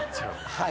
はい。